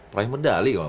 peraih medali ya